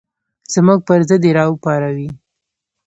زموږ پر ضد یې راوپاروئ.